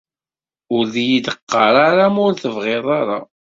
Ur yi-d-qqar ara ma ur tebeɣiḍ ara.